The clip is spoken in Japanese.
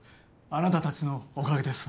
あなたたちのおかげです。